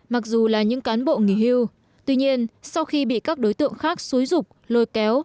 mặc dù là những cán bộ nghỉ hưu tuy nhiên sau khi bị các đối tượng khác xúi rục lôi kéo